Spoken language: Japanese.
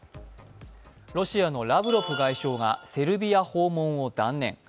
ロシアのラブロフ外相がセルビア訪問を断念。